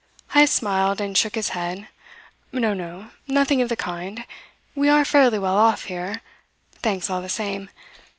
Heyst smiled and shook his head: "No, no. Nothing of the kind. We are fairly well off here. Thanks, all the same.